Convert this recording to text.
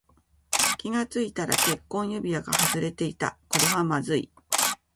気がついたら結婚指輪が外れていた。これはまずい。